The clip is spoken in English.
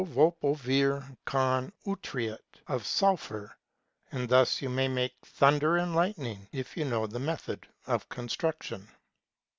353 VOPO VIR CAN UTRIETi O f 8U i p hur ; and thus you may make thunder and lightning, if you know the method of con struction.